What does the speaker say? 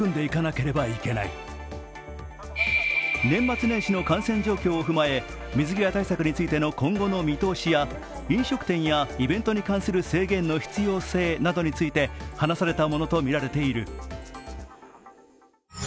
年末年始の感染状況を踏まえ水際対策に対しての今後の見通しや飲食店やイベントに関する制限の必要性などについて話されたものとみられている。